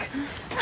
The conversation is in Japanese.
あ。